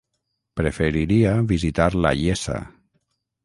Preferiria visitar la Iessa.